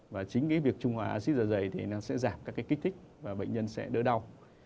và chính cái việc trung hòa acid da dày thì nó sẽ giảm các cái kích thích và bệnh nhân sẽ đỡ đau